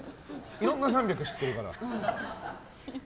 いろんな３００知ってるから。